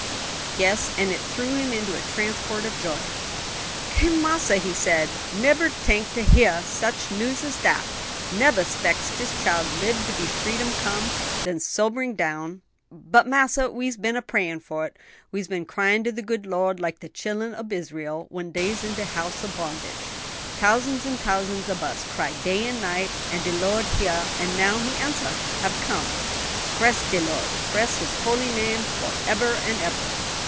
"Yes, and it threw him into a transport of joy. 'Ki! massa,' he said, 'neber tink to heyah sich news as dat! neber spects dis chile lib to bee freedom come;' then sobering down, 'but, massa, we's been a prayin' for it; we's been crying to the good Lord like the chillen ob Israel when dey's in de house ob bondage; tousands an' tousands ob us cry day an' night, an' de Lord heyah, an' now de answer hab come. Bress de Lord! Bress His holy name foreber an' eber.'